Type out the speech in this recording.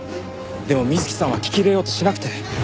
でも水木さんは聞き入れようとしなくて。